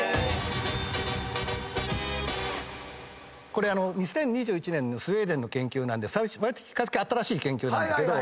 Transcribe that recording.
これ２０２１年のスウェーデンの研究なんで比較的新しい研究なんだけど。